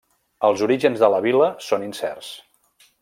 Els orígens de la vil·la són incerts.